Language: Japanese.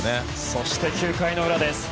そして９回の裏です。